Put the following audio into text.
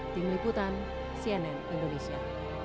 tim liputan cnn indonesia